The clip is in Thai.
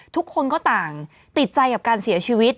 ทุกคนก็ต่างติดใจกับการเสียชีวิต